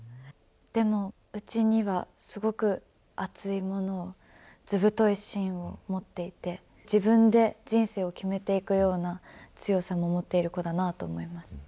でも内にはすごく熱いものを、図太いしんを持っていて、自分で人生を決めていくような強さも持っている子だなと思います。